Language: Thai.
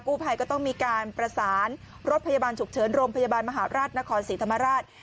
ผู้ภัยก็ต้องมีการประสานรถพยาบาลฉุกเฉินโรงพยาบาลมหาราชนครศรีธรรมราช